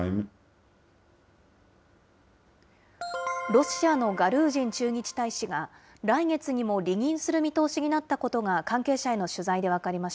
ロシアのガルージン駐日大使が、来月にも離任する見通しになったことが関係者への取材で分かりま